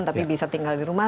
tapi bisa tinggal di rumah